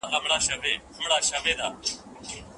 پر خاوند باندې د ناروغۍ دا مصارف ولي واجب نه دي؟